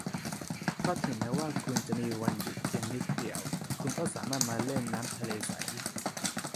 เพราะถึงแม้ว่าคุณจะมีวันหยุดอยู่เพียงนิดเดียว คุณก็สามารถมาเล่นน้ำทะเลใส